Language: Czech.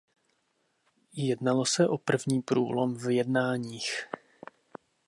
Jednalo se o první průlom v jednáních.